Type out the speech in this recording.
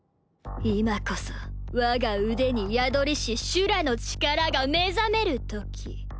今こそ我が腕に宿りし修羅の力が目覚めるとき。